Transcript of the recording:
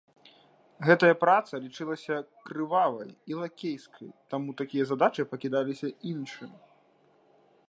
Гэтая праца лічылася крывавай і лакейскай, таму такія задачы пакідаліся іншым.